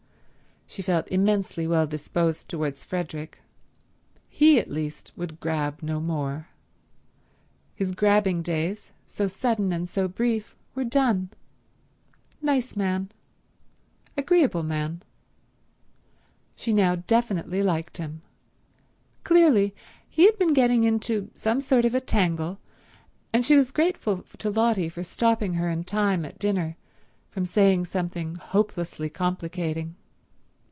She felt immensely well disposed towards Frederick. He, at least, would grab no more. His grabbing days, so sudden and so brief, were done. Nice man; agreeable man. She now definitely liked him. Clearly he had been getting into some sort of a tangle, and she was grateful to Lotty for stopping her in time at dinner from saying something hopelessly complicating.